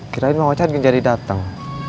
kirain mama cahat genjari datang